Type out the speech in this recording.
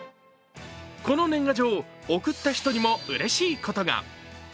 この年賀状、送った人にもうれしいことが。